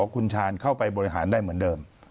คุณชาญเข้าไปบริหารได้เหมือนเดิม